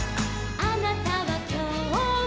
「あなたはきょうも」